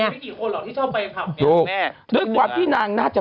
นี่นี่นี่นี่นี่นี่นี่